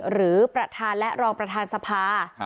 หรือประธานและรองประธานสภา